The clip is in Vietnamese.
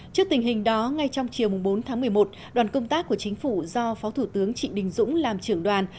trước tình hình đó ngay trong chiều bốn tháng một mươi một đoàn công tác của chính phủ do phó thủ tướng trịnh đình dũng làm trưởng đoàn